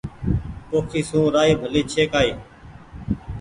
پوکي سون رآئي ڀلي ڇي ڪآئي